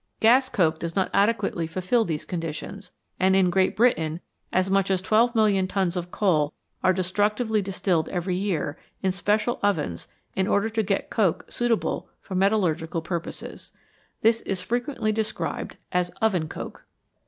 Gas coke does not adequately fulfil these conditions, and in Great Britain as much as twelve million tons of coal are destructively distilled every year in special ovens in order to get coke suitable for metal lurgical purposes. This is frequently described as oven coke.